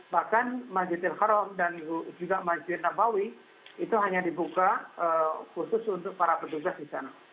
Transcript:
bahkan masjid al haram dan juga masjid nabawi itu hanya dibuka khusus untuk para petugas di sana